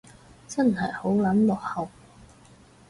真係好撚落後